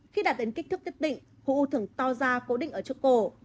khi đạt đến kích thước tiết định khổ u thường to ra cố định ở trước cổ